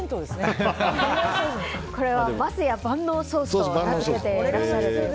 これは桝谷万能ソースと名付けていらっしゃると。